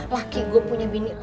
laki gue punya bini